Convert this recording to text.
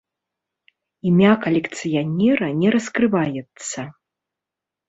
Імя калекцыянера не раскрываецца.